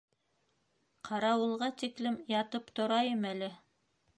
Ҡарауылға тиклем ятып торайым әле.